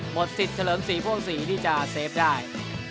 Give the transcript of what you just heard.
หมดสิทธิ์เฉลิม๔พวก๔ที่จะเซฟได้